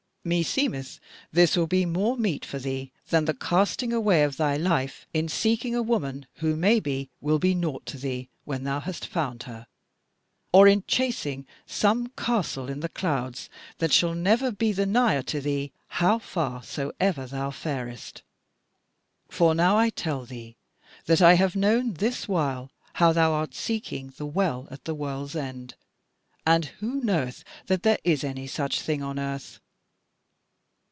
Meseemeth this will be more meet for thee than the casting away of thy life in seeking a woman, who maybe will be naught to thee when thou hast found her; or in chasing some castle in the clouds, that shall be never the nigher to thee, how far soever thou farest. For now I tell thee that I have known this while how thou art seeking the Well at the World's End; and who knoweth that there is any such thing on the earth?